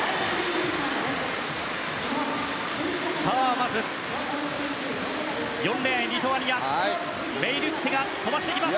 まず４レーン、リトアニアメイルティテ飛ばします。